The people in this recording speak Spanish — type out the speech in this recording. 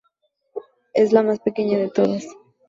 Es la más pequeña de todas.